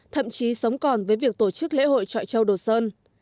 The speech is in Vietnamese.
thậm chí sống còn với việc tổ chức lễ hội trọi châu đồ sơn